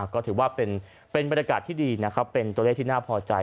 ก็ถือว่าเป็นบรรยากาศที่ดีนะครับเป็นตัวเลขที่น่าพอใจ